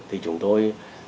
thì chúng tôi